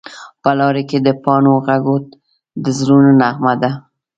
په لارو کې د پاڼو غږ د زړونو نغمه ده